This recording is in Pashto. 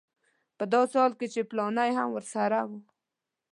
په داسې حال کې چې فلانی هم ورسره و.